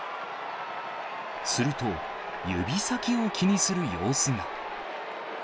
すると、指先を気にする様子が。